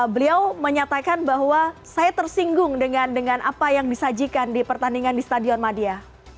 beliau menyatakan bahwa saya tersinggung dengan apa yang disajikan di pertandingan di stadion madia